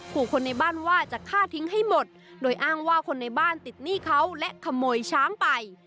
ขู่คนในบ้านว่าจะฆ่าทิ้งให้หมดโดยอ้างว่าคนในบ้านติดหนี้เขาและขโมยช้างไป